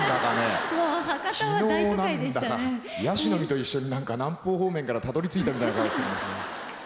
昨日やしの実と一緒に何か南方方面からたどりついたみたいな顔して。